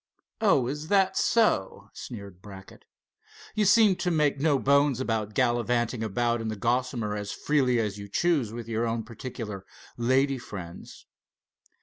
"Oh, is that so!" sneered Brackett. "You seem to make no bones about gallivanting about in the Gossamer as freely as you choose with your own particular lady friends."